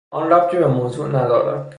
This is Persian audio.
آن ربطی به موضوع ندارد.